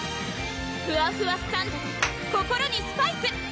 ふわふわサンドｄｅ心にスパイス！